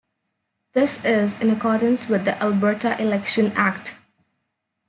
This is in accordance with the Alberta Election Act.